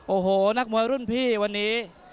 โอ้โหนักมวยรุ่นพี่วันนี้